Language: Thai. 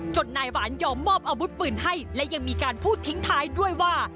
นายหวานยอมมอบอาวุธปืนให้และยังมีการพูดทิ้งท้ายด้วยว่า